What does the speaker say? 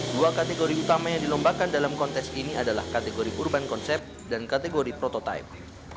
dua kategori utama yang dilombakan dalam kontes ini adalah kategori urban concept dan kategori prototipe